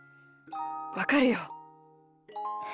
わかるよ。